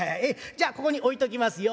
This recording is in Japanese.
じゃあここに置いときますよ」。